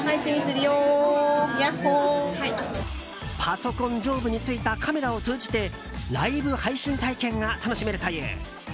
パソコン上部についたカメラを通じてライブ配信体験が楽しめるという。